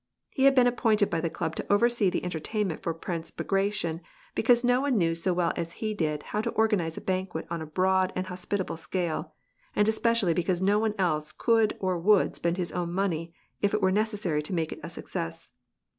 He had been ap pointed by the club to oversee the entertainment for Prinoo Bagration, because no one knew so well as he did how to oigan ize a banquet on a broad and hospitable scale, and especiaUf because no one else could or would spend his own money if it were necessary to make it a success.